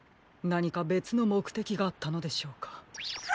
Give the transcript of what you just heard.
なにかべつのもくてきがあったのでしょうか？